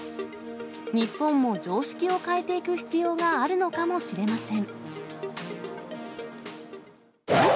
日本も常識を変えていく必要があるのかもしれません。